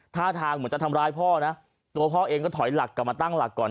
ท่าทางเหมือนจะทำร้ายพ่อนะตัวพ่อเองก็ถอยหลักกลับมาตั้งหลักก่อน